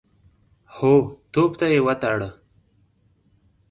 هو، توپ ته يې وتاړه.